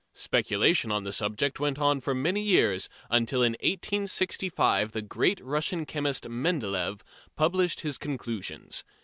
Speculation on the subject went on for many years, until in 1865 the great Russian chemist Mendeléeff published his conclusions.